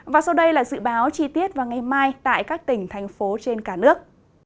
và sau đây là dự báo chi tiết vào ngày mai tại các tỉnh thành phố trên cả nước